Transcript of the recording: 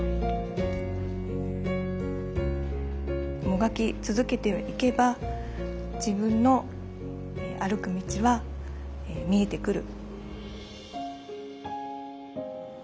もがき続けていけば自分の歩く道は見えてくる。